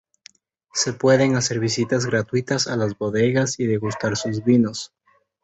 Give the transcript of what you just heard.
Se pueden hacer visitas gratuitas a las bodegas y degustar sus vinos.